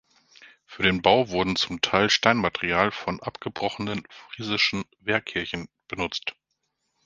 Für den Bau wurde zum Teil Steinmaterial von abgebrochenen friesischen Wehrkirchen benutzt.